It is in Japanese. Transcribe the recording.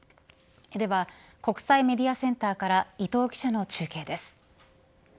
では、国際メディアセンターから伊藤記者の中継です。